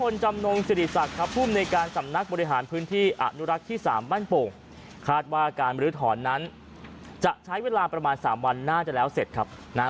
ในการสำนักบริหารพื้นที่อาณุรักษ์ที่๓บ้านปกคาดว่าการมรือถอนนั้นจะใช้เวลาประมาณ๓วันน่าจะเสร็จแล้ว